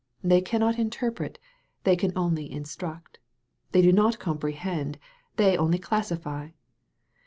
They cannot interpret, they can only instruct. They do not comprehend, they only classify.